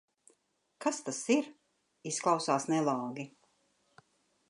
Kas tas ir? Izklausās nelāgi.